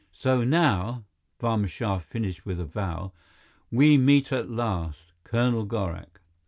So now" Barma Shah finished with a bow "we meet at last, Colonel Gorak."